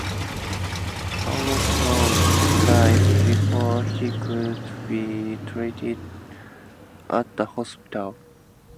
Ohnesorg died before he could be treated at a hospital.